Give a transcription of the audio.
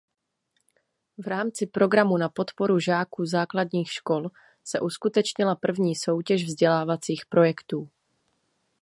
V rámci programu na podporu žáků základních škol se uskutečnila první soutěž vzdělávacích projektů.